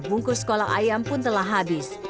bungkus kolak ayam pun telah habis